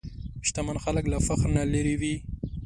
شتمن خلک له فخر نه لېرې وي.